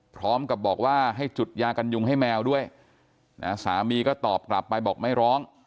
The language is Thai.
พร้อมกับบอกว่าให้จุดยากันยุงให้แมวด้วยนะสามีก็ตอบกลับไปบอกไม่ร้อง